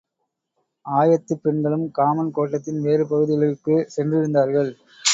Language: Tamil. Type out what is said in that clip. ஆயத்துப் பெண்களும் காமன் கோட்டத்தின் வேறு பகுதிகளுக்குச் சென்றிருந்தார்கள்.